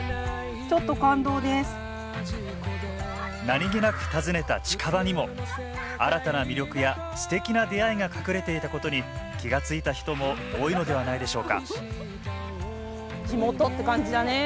何気なく訪ねた近場にも新たな魅力やすてきな出会いが隠れていたことに気が付いた人も多いのではないでしょうか地元って感じだね！